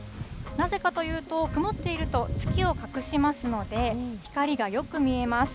なぜかというと、曇っていると、月を隠しますので、光がよく見えます。